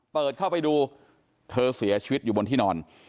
เปิดเข้าไปดูเธอเสียชีวิตอยู่บนที่นอน